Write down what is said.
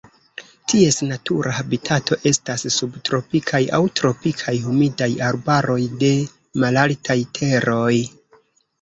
Ties natura habitato estas subtropikaj aŭ tropikaj humidaj arbaroj de malaltaj teroj.